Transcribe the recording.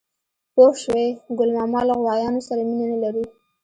_پوه شوې؟ ګل ماما له غوايانو سره مينه نه لري.